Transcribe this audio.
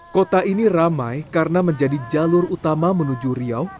kota ini ramai karena menjadi jalur utama menuju riau